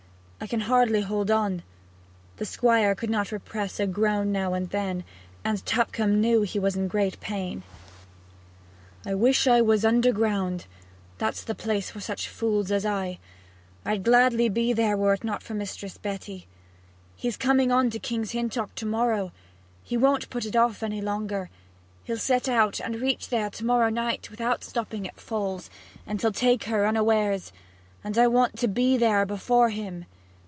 I can hardly hold on.' The Squire could not repress a groan now and then, and Tupcombe knew he was in great pain. 'I wish I was underground that's the place for such fools as I! I'd gladly be there if it were not for Mistress Betty. He's coming on to King's Hintock to morrow he won't put it off any longer; he'll set out and reach there to morrow night, without stopping at Falls; and he'll take her unawares, and I want to be there before him.'